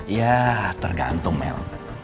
ya tergantung mel